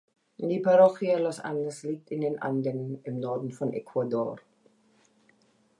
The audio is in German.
Die Parroquia Los Andes liegt in den Anden im Norden von Ecuador.